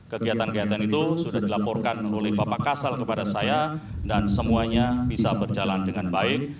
kegiatan kegiatan itu sudah dilaporkan oleh bapak kasal kepada saya dan semuanya bisa berjalan dengan baik